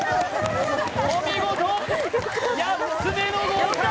お見事８つ目の合格